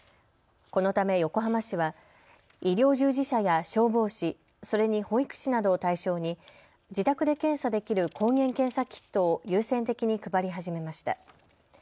このため横浜市は医療従事者や消防士、それに保育士などを対象に自宅で検査できる抗原検査キットを優先的に配り始めました。